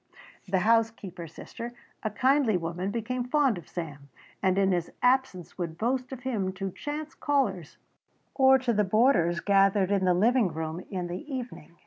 The housekeeping sister, a kindly woman, became fond of Sam, and in his absence would boast of him to chance callers or to the boarders gathered in the living room in the evening.